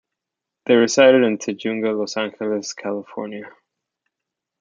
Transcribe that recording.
They resided in Tujunga, Los Angeles, California.